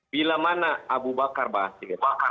bila mana abu bakar basir